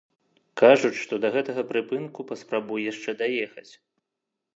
Кажуць, што да гэтага прыпынку паспрабуй яшчэ даехаць.